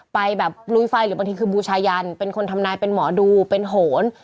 ไปแบบลุยไฟหรือบางทีคือบูชายันเป็นคนทำนายเป็นหมอดูเป็นโหน